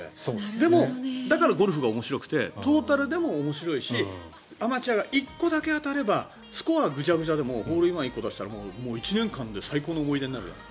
でもだからゴルフが面白くてトータルでも面白いしアマチュアが１個だけ当たればスコアぐじゃぐじゃでもホールインワンを１個出したら１年間で最高の思い出になるじゃん。